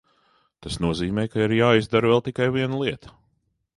Tas nozīmē, ka ir jāizdara vēl tikai viena lieta.